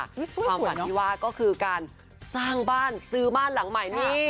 ความฝันที่ว่าก็คือการสร้างบ้านซื้อบ้านหลังใหม่นี่